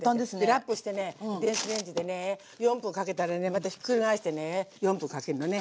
ラップしてね電子レンジでね４分かけたらねまたひっくり返してね４分かけるのね。